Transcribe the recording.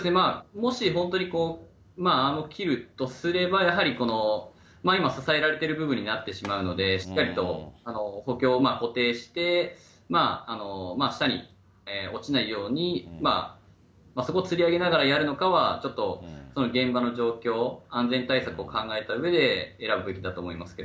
もし、本当にアームを切るとすれば、今、支えられている部分になってしまうので、しっかりと補強、固定して下に落ちないように、そこをつり上げながらやるのかは、ちょっと現場の状況、安全対策を考えたうえで、やるべきだと思います